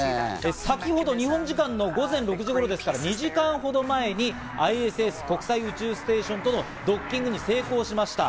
先ほど日本時間の午前６時頃、ですから２時間ほど前にＩＳＳ＝国際宇宙ステーションとのドッキングに成功しました。